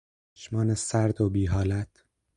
چشمان سرد و بی حالت